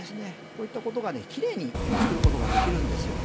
こういったことがキレイに作ることができるんですよ